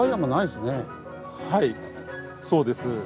はいそうです。